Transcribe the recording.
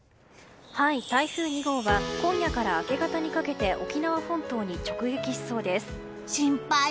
台風２号は今夜から明け方にかけて沖縄本島に直撃しそうです。